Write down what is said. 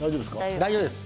大丈夫ですか？